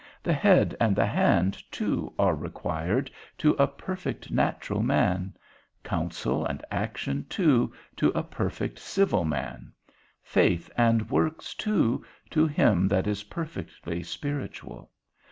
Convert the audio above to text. The head and the hand too are required to a perfect natural man; counsel and action too, to a perfect civil man; faith and works too, to him that is perfectly spiritual.